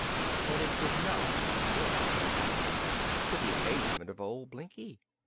But it did not work at all, to the amazement of old Blinkie.